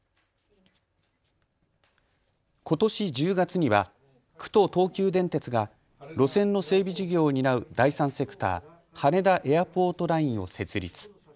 ことし１０月には区と東急電鉄が路線の整備事業を担う第三セクター、羽田エアポートラインを設立。